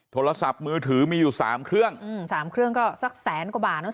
โทรศัพท์มือถือมีอยู่สามเครื่องอืมสามเครื่องก็สักแสนกว่าบาทเนอะ